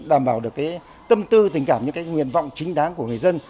đảm bảo được tâm tư tình cảm những nguyện vọng chính đáng của người dân